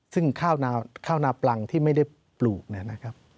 ซึ่งข้าวน้ำปังที่ไม่ได้ปลูกนะครับ